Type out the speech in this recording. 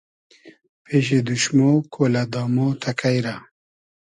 پېشی دوشمۉ کۉلۂ دامۉ تئکݷ رۂ